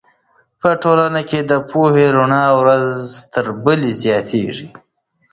په ټولنه کې د پوهې رڼا ورځ تر بلې زیاتېږي.